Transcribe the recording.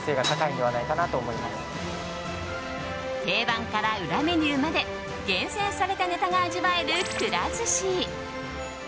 定番から裏メニューまで厳選されたネタが味わえるくら寿司。